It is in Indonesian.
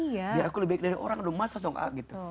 iya biar aku lebih baik dari orang aduh masa dong ah gitu